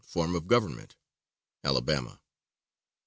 form of government" (Alabama).